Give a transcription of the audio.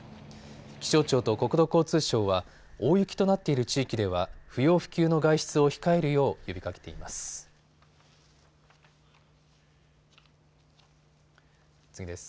気象庁と国土交通省は大雪となっている地域では不要不急の外出を控えるよう呼びかけています。